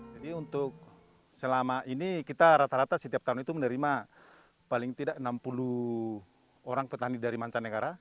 jadi untuk selama ini kita rata rata setiap tahun itu menerima paling tidak enam puluh orang petani dari mancanegara